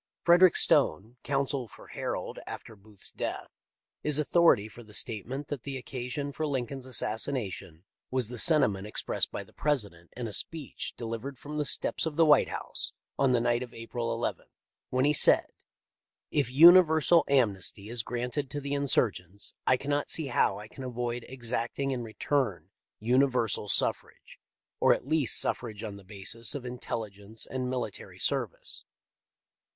Frederick Stone, counsel for Harold after Booth's death, is authority for the statement that the occa sion for Lincoln's assassination was the sentiment expressed by the President in a speech delivered from the steps of the White House on the night of April II, when he said: "If universal amnesty is granted to the insurgents I cannot see how I can avoid exacting in return universal suffrage, or at least suffrage on the basis of intelligence and military service."